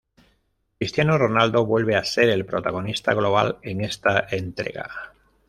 Cristiano Ronaldo vuelve a ser el protagonista global en esta entrega.